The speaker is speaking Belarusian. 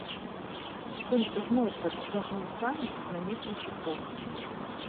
Конь зноў падцягнуў сані на некалькі крокаў.